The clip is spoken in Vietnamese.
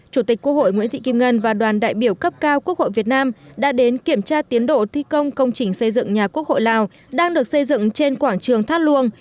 chủ tịch quốc hội nguyễn thị kim ngân và đoàn đại biểu cấp cao quốc hội việt nam đã đến kiểm tra tiến độ thi công công trình xây dựng nhà quốc hội lào đang được xây dựng trên quảng trường thát luông